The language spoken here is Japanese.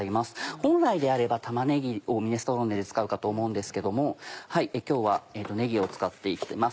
本来であれば玉ねぎをミネストローネで使うかと思うんですけども今日はねぎを使って行ってます。